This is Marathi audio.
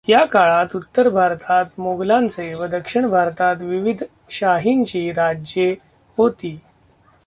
या काळात उत्तर भारतात मोगलांचे व दक्षिण भारतात विविध शाहींची राज्ये होती.